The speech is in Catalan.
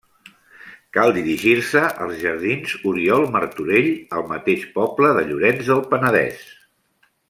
Cal dirigir-se als jardins Oriol Martorell, al mateix poble de Llorenç del Penedès.